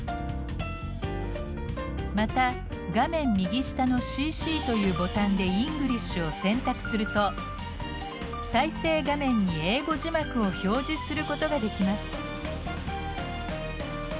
また画面右下の「ＣＣ」というボタンで「Ｅｎｇｌｉｓｈ」を選択すると再生画面に英語字幕を表示することができます。